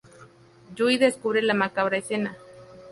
Yui descubre la macabra escena.